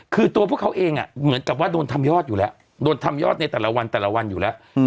คือตัวพวกเขาเองเหมือนกับว่าโดนทำยอดอยู่แล้วโดนทำยอดในแต่ละวันแต่ละวันอยู่แล้ว